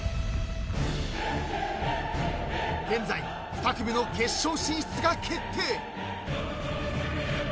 ［現在２組の決勝進出が決定］